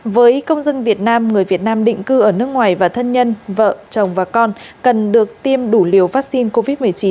với công dân việt nam người việt nam định cư ở nước ngoài và thân nhân vợ chồng và con cần được tiêm đủ liều vaccine covid một mươi chín